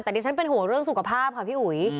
แต่ดิฉันเป็นห่วงเรื่องสุขภาพค่ะพี่อุ๋ย